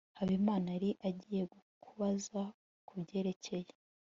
habimana yari agiye kukubaza kubyerekeye